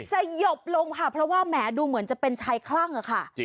สยบลงค่ะเพราะว่าแหมดูเหมือนจะเป็นชายคลั่งอะค่ะ